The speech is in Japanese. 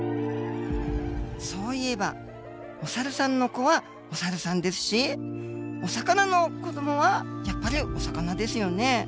そういえばおサルさんの子はおサルさんですしお魚の子どもはやっぱりお魚ですよね。